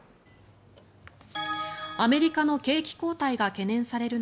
アメリカの景気後退が懸念される